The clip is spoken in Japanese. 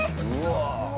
うわ。